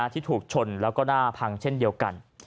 ที่ถูกชนแล้วก็หน้าพังเช่นเดียวกัน